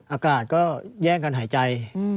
อากาศก็แย่งกันหายใจ